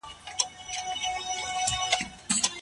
د ودانيو او موټرونو زړښت هم بايد محاسبه سي.